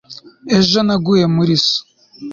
ejo naguye muri so